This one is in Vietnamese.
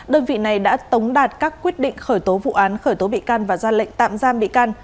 đơn vị này đã tống đạt các quyết định khởi tố vụ án khởi tố bị can và ra lệnh tạm giam bị can